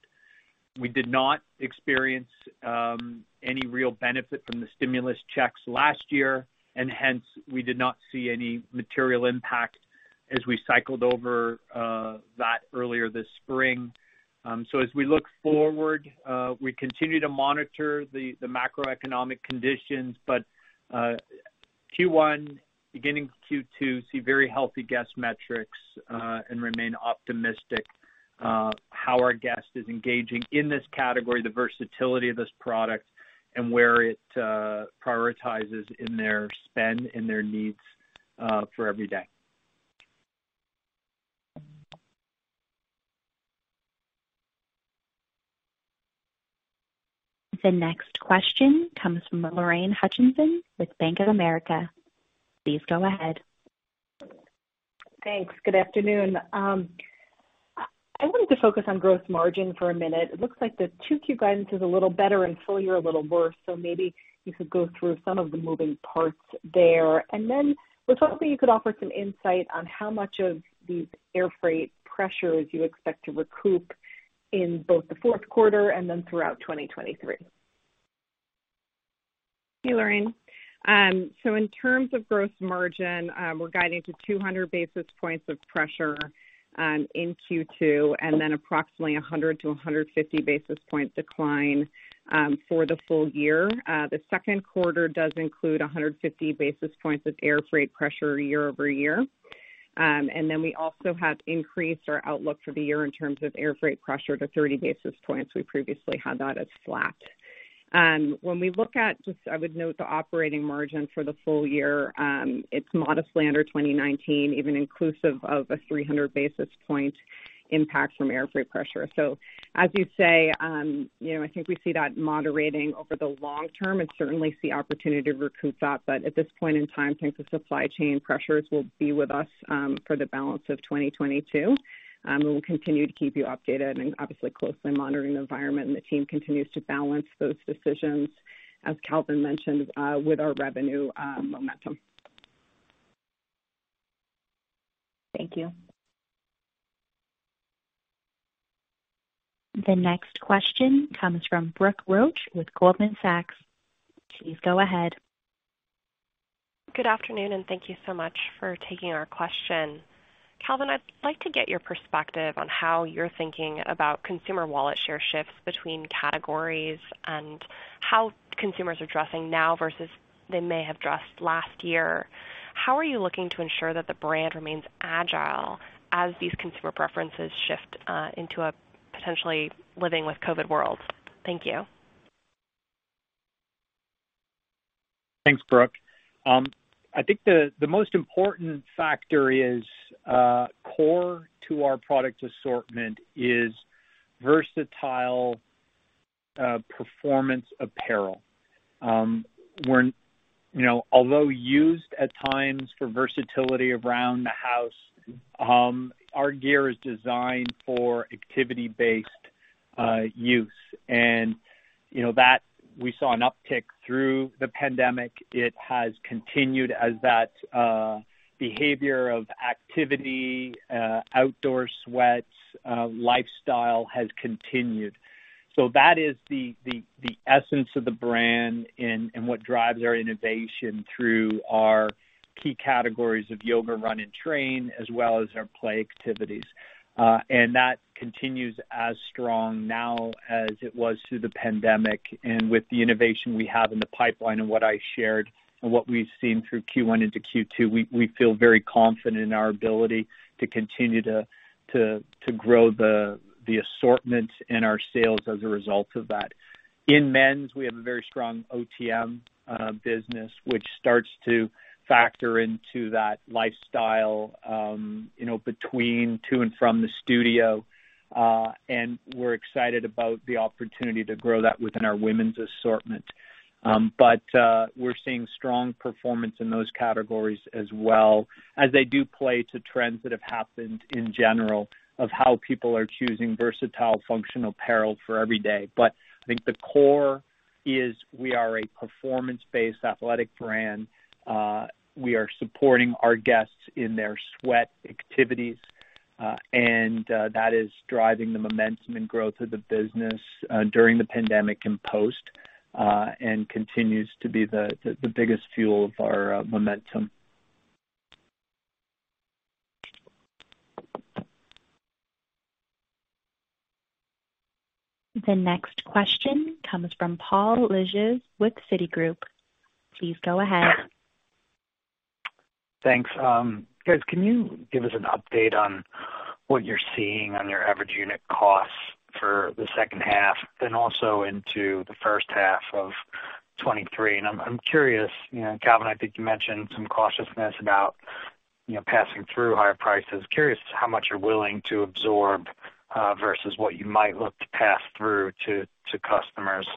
We did not experience any real benefit from the stimulus checks last year, and hence, we did not see any material impact as we cycled over that earlier this spring. As we look forward, we continue to monitor the macroeconomic conditions. Q1, beginning Q2, see very healthy guest metrics, and remain optimistic how our guest is engaging in this category, the versatility of this product and where it prioritizes in their spend and their needs for every day. The next question comes from Lorraine Hutchinson with Bank of America. Please go ahead. Thanks. Good afternoon. I wanted to focus on gross margin for a minute. It looks like the 2Q guidance is a little better and full year a little worse, so maybe you could go through some of the moving parts there. Then we were hoping you could offer some insight on how much of these airfreight pressures you expect to recoup in both the fourth quarter and then throughout 2023. Hey, Lorraine. In terms of gross margin, we're guiding to 200 basis points of pressure in Q2, and then approximately 100-150 basis point decline for the full year. The second quarter does include 150 basis points of airfreight pressure year-over-year. We also have increased our outlook for the year in terms of airfreight pressure to 30 basis points. We previously had that as flat. When we look at just, I would note the operating margin for the full year, it's modestly under 2019, even inclusive of a 300 basis point impact from airfreight pressure. As you say, you know, I think we see that moderating over the long term and certainly see opportunity to recoup that. At this point in time, I think the supply chain pressures will be with us for the balance of 2022. We'll continue to keep you updated and obviously closely monitoring the environment, and the team continues to balance those decisions, as Calvin mentioned, with our revenue momentum. Thank you. The next question comes from Brooke Roach with Goldman Sachs. Please go ahead. Good afternoon, and thank you so much for taking our question. Calvin, I'd like to get your perspective on how you're thinking about consumer wallet share shifts between categories and how consumers are dressing now versus they may have dressed last year. How are you looking to ensure that the brand remains agile as these consumer preferences shift, into a potentially living with COVID world? Thank you. Thanks, Brooke. I think the most important factor is core to our product assortment is versatile performance apparel. You know, although used at times for versatility around the house, our gear is designed for activity-based use. You know that we saw an uptick through the pandemic. It has continued as that behavior of activity, outdoor sweats, lifestyle has continued. That is the essence of the brand and what drives our innovation through our key categories of yoga, run and train, as well as our play activities. That continues as strong now as it was through the pandemic. With the innovation we have in the pipeline and what I shared and what we've seen through Q1 into Q2, we feel very confident in our ability to continue to grow the assortment in our sales as a result of that. In men's, we have a very strong OTM business which starts to factor into that lifestyle, you know, between to and from the studio. We're excited about the opportunity to grow that within our women's assortment. We're seeing strong performance in those categories as well as they do play to trends that have happened in general of how people are choosing versatile functional apparel for every day. I think the core is we are a performance-based athletic brand. We are supporting our guests in their sweat activities, and that is driving the momentum and growth of the business during the pandemic and post, and continues to be the biggest fuel of our momentum. The next question comes from Paul Lejuez with Citigroup. Please go ahead. Thanks. Guys, can you give us an update on what you're seeing on your average unit costs for the second half and also into the first half of 2023? I'm curious, you know, Calvin, I think you mentioned some cautiousness about, you know, passing through higher prices. Curious how much you're willing to absorb versus what you might look to pass through to customers.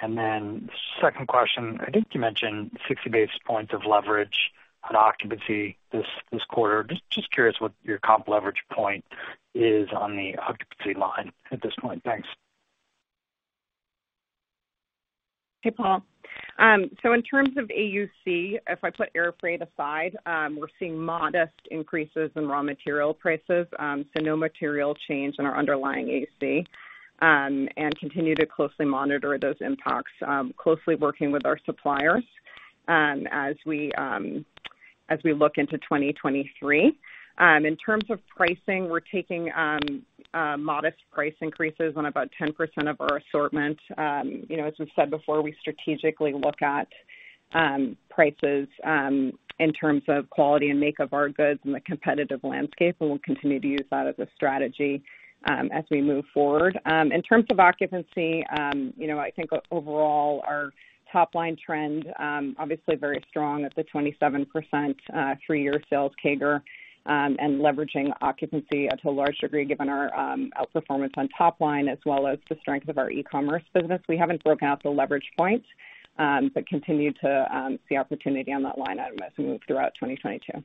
Second question, I think you mentioned 60 basis points of leverage on occupancy this quarter. Just curious what your comp leverage point is on the occupancy line at this point. Thanks. Hey, Paul. In terms of AUC, if I put air freight aside, we're seeing modest increases in raw material prices, so no material change in our underlying AUC, and continue to closely monitor those impacts, closely working with our suppliers, as we look into 2023. In terms of pricing, we're taking modest price increases on about 10% of our assortment. You know, as we've said before, we strategically look at prices in terms of quality and make of our goods in the competitive landscape, and we'll continue to use that as a strategy as we move forward. In terms of occupancy, you know, I think overall our top line trend, obviously very strong at the 27%, three-year sales CAGR, and leveraging occupancy to a large degree given our outperformance on top line as well as the strength of our e-commerce business. We haven't broken out the leverage points, but continue to see opportunity on that line item as we move throughout 2022.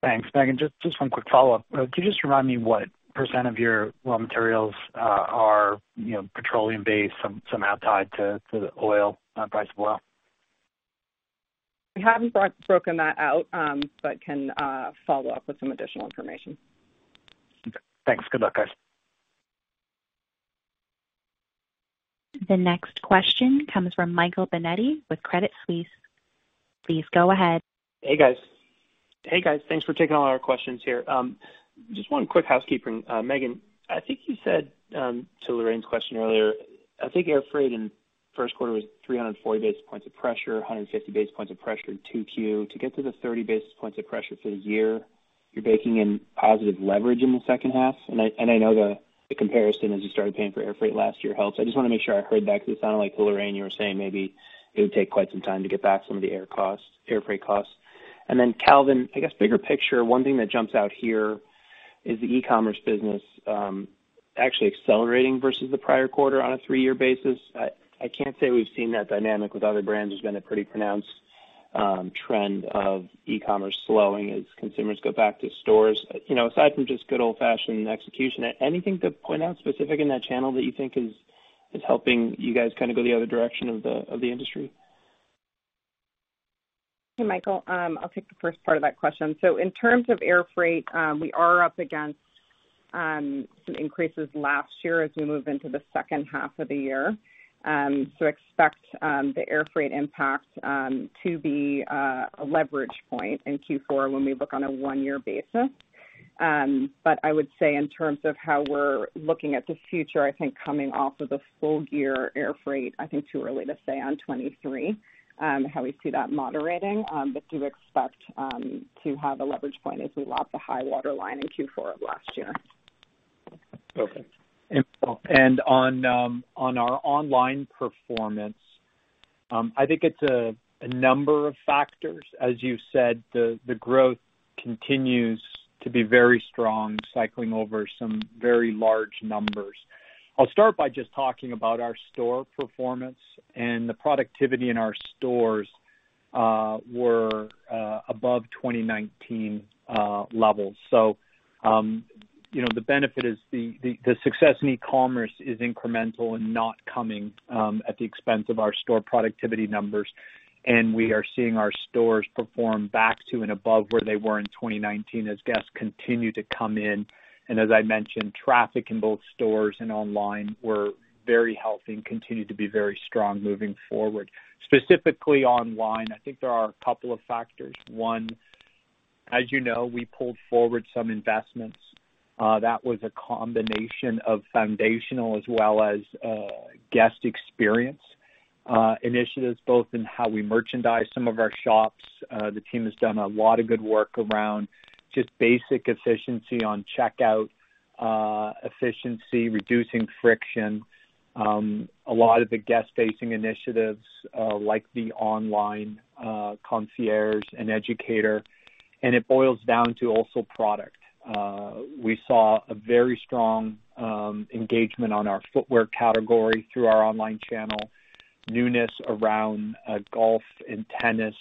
Thanks, Meghan. Just one quick follow-up. Could you just remind me what percent of your raw materials are, you know, petroleum-based, somehow tied to the price of oil? We haven't broken that out, but can follow up with some additional information. Okay. Thanks. Good luck, guys. The next question comes from Michael Binetti with Credit Suisse. Please go ahead. Hey, guys. Thanks for taking all our questions here. Just one quick housekeeping. Meghan, I think you said to Lorraine's question earlier, I think air freight in first quarter was 340 basis points of pressure, 150 basis points of pressure in 2Q. To get to the 30 basis points of pressure for the year, you're baking in positive leverage in the second half. I know the comparison as you started paying for air freight last year helps. I just wanna make sure I heard that 'cause it sounded like, Lorraine, you were saying maybe it would take quite some time to get back some of the air costs, air freight costs. Calvin, I guess bigger picture, one thing that jumps out here is the e-commerce business, actually accelerating versus the prior quarter on a three-year basis. I can't say we've seen that dynamic with other brands. There's been a pretty pronounced trend of e-commerce slowing as consumers go back to stores. You know, aside from just good old-fashioned execution, anything to point out specific in that channel that you think is helping you guys kinda go the other direction of the industry? Hey, Michael. I'll take the first part of that question. In terms of air freight, we are up against some increases last year as we move into the second half of the year. Expect the air freight impact to be a leverage point in Q4 when we look on a one-year basis. I would say in terms of how we're looking at the future, I think coming off of the full year air freight, I think too early to say on 2023 how we see that moderating. Do expect to have a leverage point as we lap the high water line in Q4 of last year. Okay. On our online performance, I think it's a number of factors. As you said, the growth continues to be very strong, cycling over some very large numbers. I'll start by just talking about our store performance and the productivity in our stores were above 2019 levels. You know, the benefit is the success in e-commerce is incremental and not coming at the expense of our store productivity numbers. We are seeing our stores perform back to and above where they were in 2019 as guests continue to come in. As I mentioned, traffic in both stores and online were very healthy and continue to be very strong moving forward. Specifically online, I think there are a couple of factors. One, as you know, we pulled forward some investments. That was a combination of foundational as well as guest experience initiatives, both in how we merchandise some of our shops. The team has done a lot of good work around just basic efficiency on checkout, reducing friction, a lot of the guest facing initiatives, like the online concierge and educator. It boils down to also product. We saw a very strong engagement on our footwear category through our online channel. Newness around golf and tennis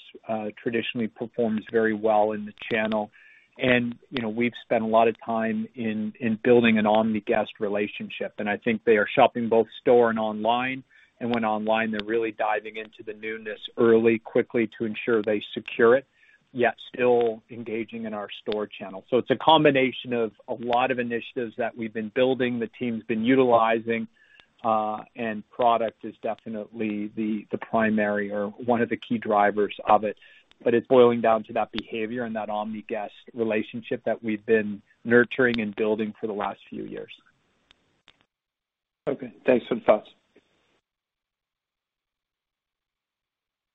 traditionally performs very well in the channel. You know, we've spent a lot of time in building an omni guest relationship, and I think they are shopping both store and online. When online, they're really diving into the newness early, quickly to ensure they secure it, yet still engaging in our store channel. It's a combination of a lot of initiatives that we've been building, the team's been utilizing, and product is definitely the primary or one of the key drivers of it. It's boiling down to that behavior and that omni guest relationship that we've been nurturing and building for the last few years. Okay, thanks for the thoughts.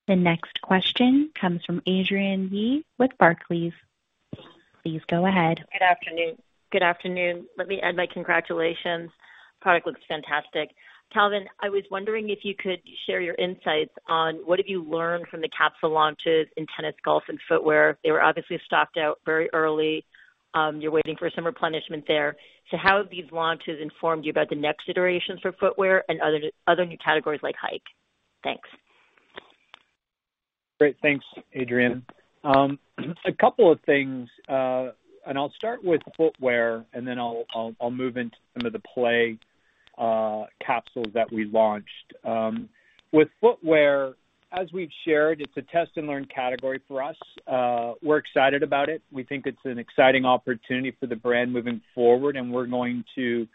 The next question comes from Adrienne Yih with Barclays. Please go ahead. Good afternoon. Let me add my congratulations. Product looks fantastic. Calvin, I was wondering if you could share your insights on what have you learned from the capsule launches in tennis, golf and footwear. They were obviously stocked out very early. You're waiting for some replenishment there. How have these launches informed you about the next iterations for footwear and other new categories like hike? Thanks. Great. Thanks, Adrienne. A couple of things, and I'll start with footwear, and then I'll move into some of the play capsules that we launched. With footwear, as we've shared, it's a test and learn category for us. We're excited about it. We think it's an exciting opportunity for the brand moving forward, and we're going to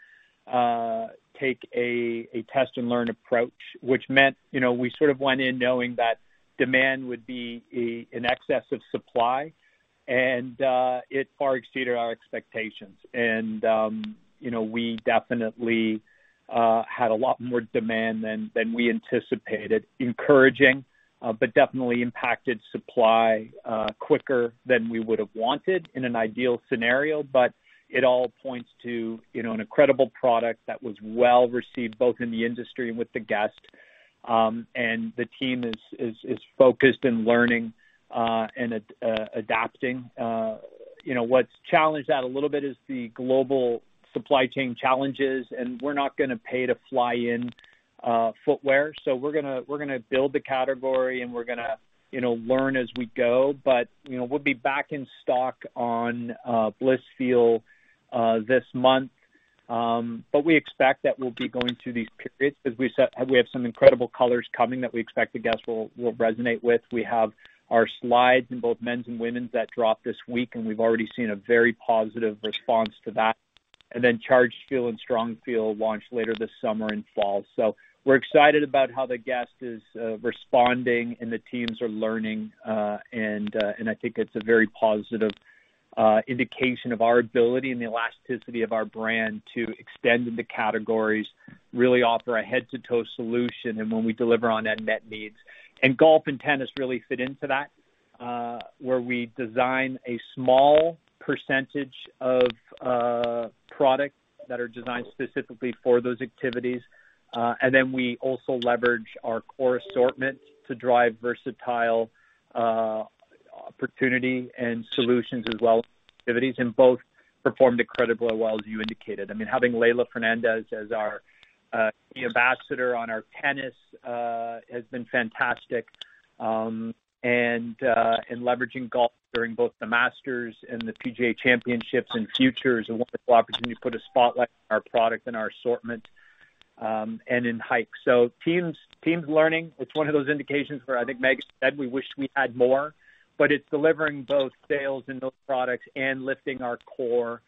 take a test and learn approach, which meant, you know, we sort of went in knowing that demand would be an excess of supply, and it far exceeded our expectations. You know, we definitely had a lot more demand than we anticipated. Encouraging, but definitely impacted supply quicker than we would have wanted in an ideal scenario. It all points to, you know, an incredible product that was well received both in the industry and with the guest. The team is focused on learning and adapting. You know, what's challenged that a little bit is the global supply chain challenges, and we're not gonna pay to fly in footwear. We're gonna build the category and we're gonna, you know, learn as we go. You know, we'll be back in stock on Blissfeel this month. We expect that we'll be going through these periods because we said we have some incredible colors coming that we expect the guests will resonate with. We have our slides in both men's and women's that drop this week, and we've already seen a very positive response to that. Chargefeel and Strongfeel launch later this summer and fall. We're excited about how the guest is responding and the teams are learning. I think it's a very positive indication of our ability and the elasticity of our brand to extend into categories, really offer a head to toe solution and when we deliver on unmet needs. Golf and tennis really fit into that, where we design a small percentage of products that are designed specifically for those activities. We also leverage our core assortment to drive versatile opportunity and solutions as well as activities. Both performed incredibly well, as you indicated. I mean, having Leylah Fernandez as our ambassador on our tennis has been fantastic. Leveraging golf during both the Masters and the PGA Championships and Futures, a wonderful opportunity to put a spotlight on our product and our assortment, and in hike. Teams learning. It's one of those occasions where I think Meghan said we wish we had more, but it's delivering both sales in those products and lifting our core,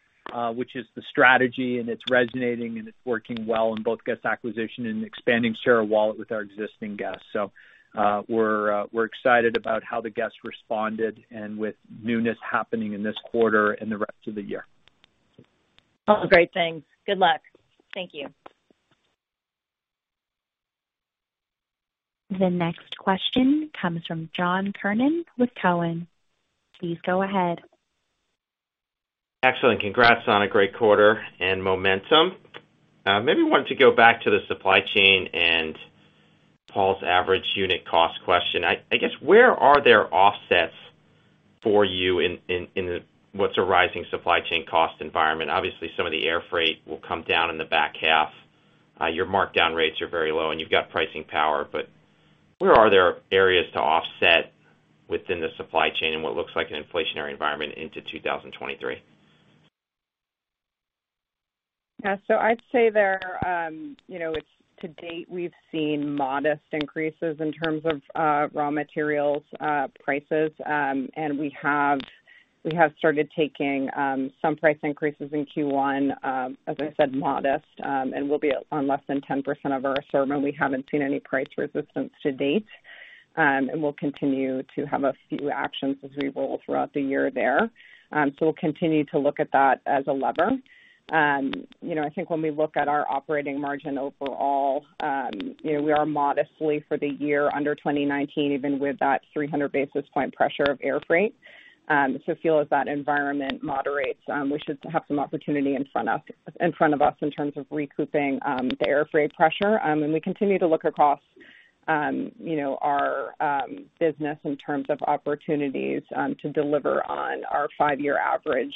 which is the strategy, and it's resonating, and it's working well in both guest acquisition and expanding share of wallet with our existing guests. We're excited about how the guests responded and with newness happening in this quarter and the rest of the year. Oh, great, thanks. Good luck. Thank you. The next question comes from John Kernan with Cowen. Please go ahead. Excellent. Congrats on a great quarter and momentum. Maybe wanted to go back to the supply chain and Paul's average unit cost question. I guess, where are there offsets for you in what's a rising supply chain cost environment? Obviously, some of the air freight will come down in the back half. Your markdown rates are very low and you've got pricing power, but Where are there areas to offset within the supply chain in what looks like an inflationary environment into 2023? Yeah. I'd say there, you know, it's to date, we've seen modest increases in terms of raw materials prices. We have started taking some price increases in Q1, as I said, modest, and we'll be on less than 10% of our assortment. We haven't seen any price resistance to date. We'll continue to have a few actions as we roll throughout the year there. We'll continue to look at that as a lever. You know, I think when we look at our operating margin overall, you know, we are modestly for the year under 2019, even with that 300 basis points pressure of air freight. As that environment moderates, we should have some opportunity in front of us in terms of recouping the air freight pressure. We continue to look across, you know, our business in terms of opportunities to deliver on our five-year average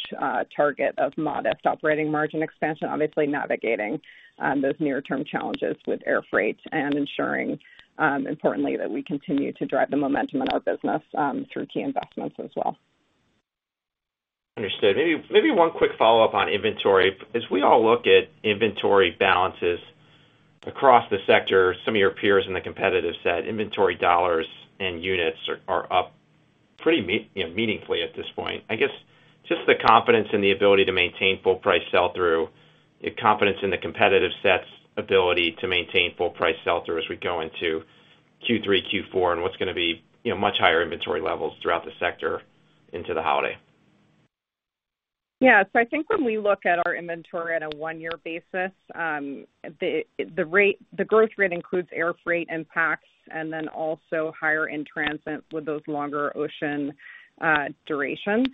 target of modest operating margin expansion, obviously navigating those near-term challenges with air freight and ensuring, importantly, that we continue to drive the momentum in our business through key investments as well. Understood. Maybe one quick follow-up on inventory. As we all look at inventory balances across the sector, some of your peers in the competitive set inventory dollars and units are up pretty you know, meaningfully at this point. I guess just the confidence in the ability to maintain full price sell through, confidence in the competitive sets ability to maintain full price sell through as we go into Q3, Q4, and what's gonna be, you know, much higher inventory levels throughout the sector into the holiday. Yeah. I think when we look at our inventory on a one-year basis, the growth rate includes air freight impacts and then also higher in-transits with those longer ocean durations.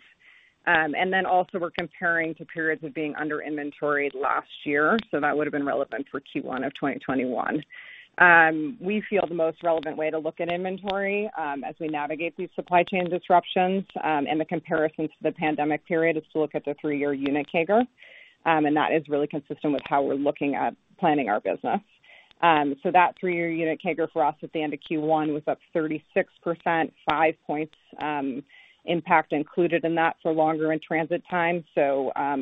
We're comparing to periods of being under-inventoried last year. That would've been relevant for Q1 of 2021. We feel the most relevant way to look at inventory, as we navigate these supply chain disruptions, and the comparisons to the pandemic period is to look at the three-year unit CAGR, and that is really consistent with how we're looking at planning our business. That three-year unit CAGR for us at the end of Q1 was up 36%, five points impact included in that for longer in-transit time.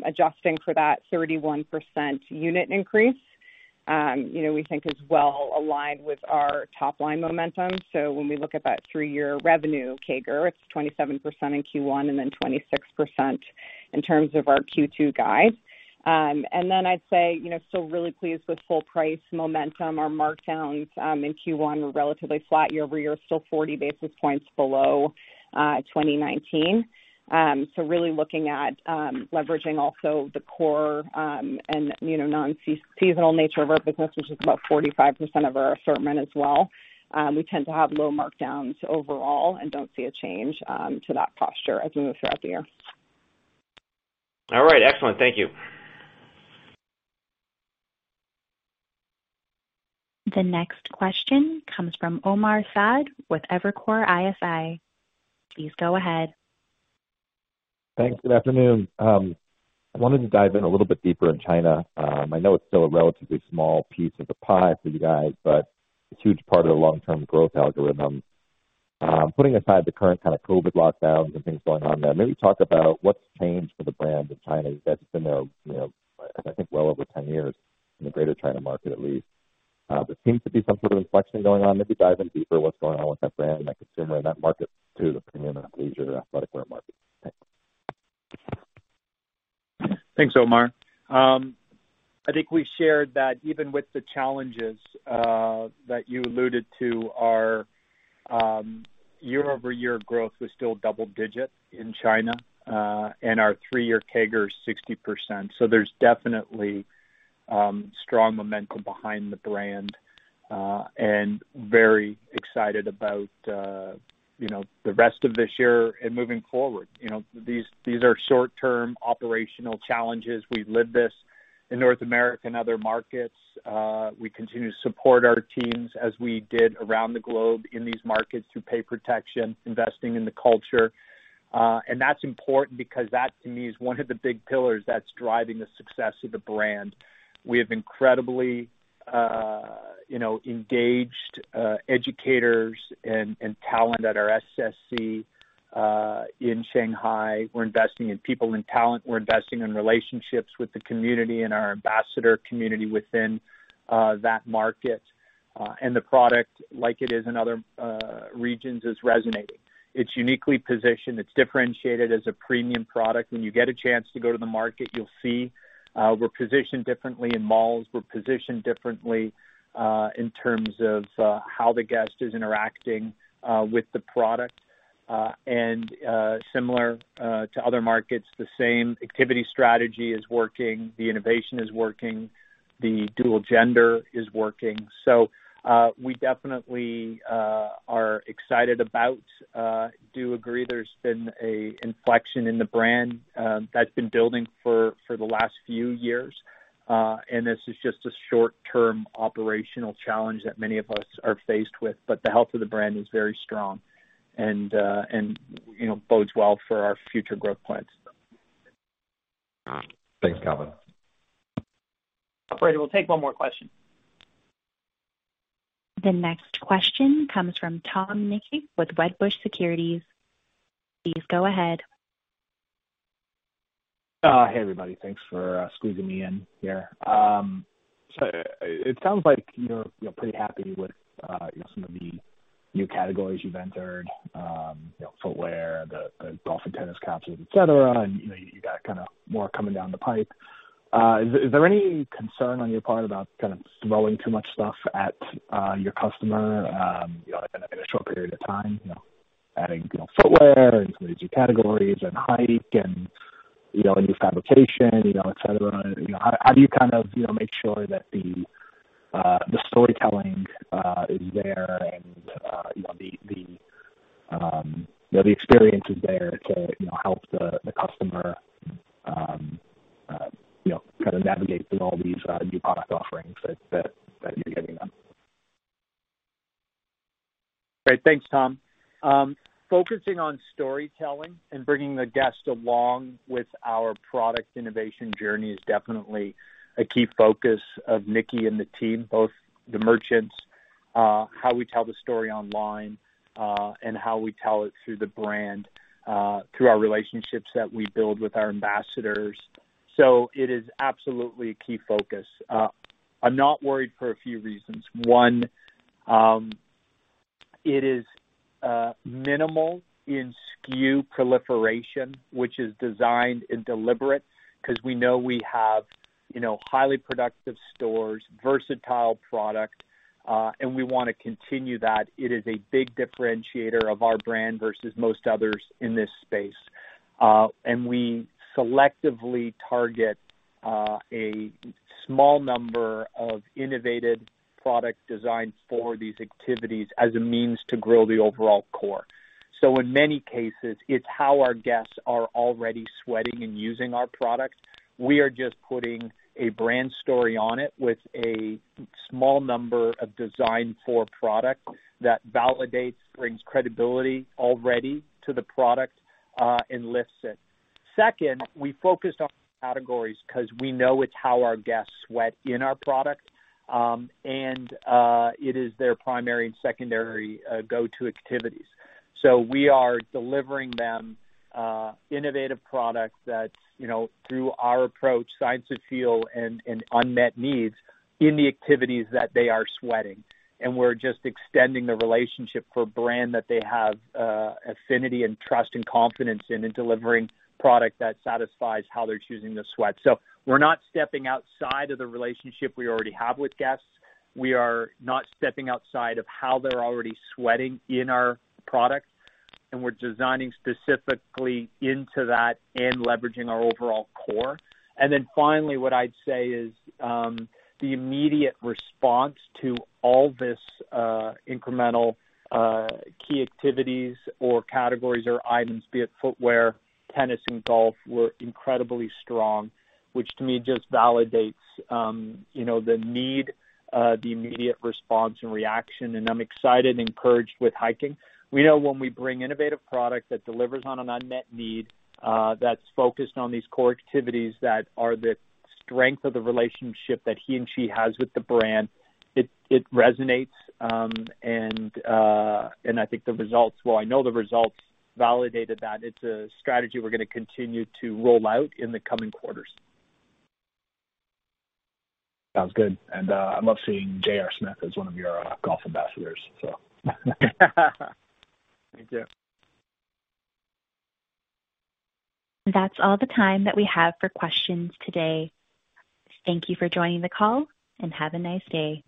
Adjusting for that 31% unit increase, you know, we think is well aligned with our top line momentum. When we look at that three-year revenue CAGR, it's 27% in Q1 and then 26% in terms of our Q2 guide. I'd say, you know, still really pleased with full price momentum. Our markdowns in Q1 were relatively flat year-over-year, still 40 basis points below 2019. Really looking at leveraging also the core and, you know, non-seasonal nature of our business, which is about 45% of our assortment as well. We tend to have low markdowns overall and don't see a change to that posture as we move throughout the year. All right. Excellent. Thank you. The next question comes from Omar Saad with Evercore ISI. Please go ahead. Thanks. Good afternoon. I wanted to dive in a little bit deeper in China. I know it's still a relatively small piece of the pie for you guys, but it's a huge part of the long-term growth algorithm. Putting aside the current kinda COVID lockdowns and things going on there, maybe talk about what's changed for the brand in China that's been there, you know, I think well over 10 years in the Greater China market at least. There seems to be some sort of inflection going on. Maybe dive in deeper what's going on with that brand and that consumer and that market too, the premium and leisure athletic wear market. Thanks. Thanks, Omar. I think we shared that even with the challenges that you alluded to, our year-over-year growth was still double-digit in China, and our three-year CAGR is 60%. So there's definitely strong momentum behind the brand, and very excited about you know, the rest of this year and moving forward. You know, these are short-term operational challenges. We've lived this in North America and other markets. We continue to support our teams as we did around the globe in these markets through pay protection, investing in the culture. And that's important because that to me is one of the big pillars that's driving the success of the brand. We have incredibly you know, engaged educators and talent at our SSC in Shanghai. We're investing in people and talent. We're investing in relationships with the community and our ambassador community within that market. The product, like it is in other regions, is resonating. It's uniquely positioned. It's differentiated as a premium product. When you get a chance to go to the market, you'll see we're positioned differently in malls. We're positioned differently in terms of how the guest is interacting with the product. Similar to other markets, the same activity strategy is working, the innovation is working, the dual gender is working. We definitely are excited about. Do agree there's been an inflection in the brand that's been building for the last few years. This is just a short-term operational challenge that many of us are faced with. The health of the brand is very strong and, you know, bodes well for our future growth plans. Thanks, Calvin. Operator, we'll take one more question. The next question comes from Tom Nikic with Wedbush Securities. Please go ahead. Hey, everybody. Thanks for squeezing me in here. So it sounds like you're, you know, pretty happy with, you know, some of the new categories you've entered, you know, footwear, the golf and tennis capsules, et cetera, and, you know, you got kinda more coming down the pipe. Is there any concern on your part about kind of throwing too much stuff at your customer, you know, in a short period of time? You know, adding, you know, footwear and some of these new categories and hike and, you know, a new fabrication, you know, et cetera. You know, how do you kind of, you know, make sure that the storytelling is there and, you know, the experience is there to, you know, help the customer, you know, kind of navigate through all these new product offerings that you're giving them? Great. Thanks, Tom. Focusing on storytelling and bringing the guest along with our product innovation journey is definitely a key focus of Nikki and the team, both the merchants, how we tell the story online, and how we tell it through the brand, through our relationships that we build with our ambassadors. It is absolutely a key focus. I'm not worried for a few reasons. One, it is minimal in SKU proliferation, which is designed and deliberate because we know we have, you know, highly productive stores, versatile product, and we wanna continue that. It is a big differentiator of our brand versus most others in this space. We selectively target a small number of innovative product designs for these activities as a means to grow the overall core. In many cases, it's how our guests are already sweating and using our product. We are just putting a brand story on it with a small number of design for product that validates, brings credibility already to the product, and lifts it. Second, we focused on categories because we know it's how our guests sweat in our product, and it is their primary and secondary, go-to activities. We are delivering them innovative products that's, you know, through our approach, science of feel and unmet needs in the activities that they are sweating. We're just extending the relationship for a brand that they have affinity and trust and confidence in delivering product that satisfies how they're choosing to sweat. We're not stepping outside of the relationship we already have with guests. We are not stepping outside of how they're already sweating in our product, and we're designing specifically into that and leveraging our overall core. Finally, what I'd say is, the immediate response to all this, incremental, key activities or categories or items, be it footwear, tennis and golf, were incredibly strong, which to me just validates, you know, the need, the immediate response and reaction. I'm excited and encouraged with hiking. We know when we bring innovative product that delivers on an unmet need, that's focused on these core activities that are the strength of the relationship that he and she has with the brand, it resonates. I think the results. Well, I know the results validated that. It's a strategy we're gonna continue to roll out in the coming quarters. Sounds good. I love seeing J.R. Smith as one of your golf ambassadors. Thank you. That's all the time that we have for questions today. Thank you for joining the call, and have a nice day.